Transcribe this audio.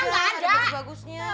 gak ada batu bagusnya